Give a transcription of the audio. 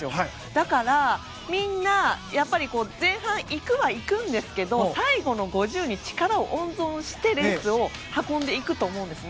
だからみんな、やっぱり前半いくはいくんですが最後の５０ｍに力を温存してレースを運んでいくと思うんです。